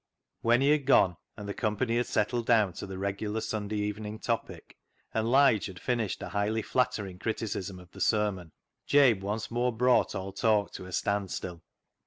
When he had gone, and the company had settled down to the regular Sunday evening topic, and Lige had finished a highly flattering criticism of the sermon, Jabe once more brought all talk to a standstill.